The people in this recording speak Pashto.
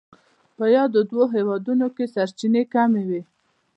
په یادو دوو هېوادونو کې سرچینې کمې وې.